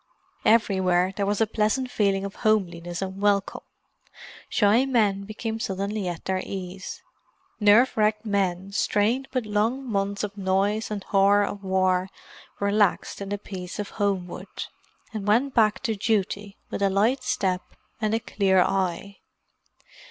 Everywhere there was a pleasant feeling of homeliness and welcome; shy men became suddenly at their ease; nerve racked men, strained with long months of the noise and horror of war, relaxed in the peace of Homewood, and went back to duty with a light step and a clear eye.